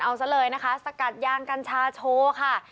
เอาซะเลยนะคะสกัดยางกัญชาโชว์ค่ะ